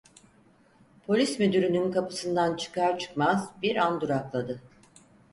Polis müdürlüğünün kapısından çıkar çıkmaz bir an durakladı.